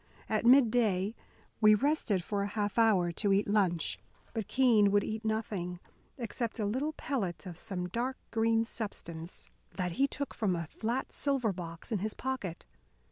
At mid day we rested for a half hour to eat lunch. But Keene would eat nothing, except a little pellet of some dark green substance that he took from a flat silver box in his pocket.